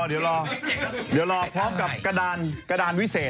เดี๋ยวรอพร้อมกับกระดานวิเศษ